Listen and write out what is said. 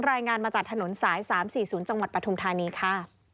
รายงานมาจากถนนสาย๓๔๐จังหวัดปฐุมธานีค่ะ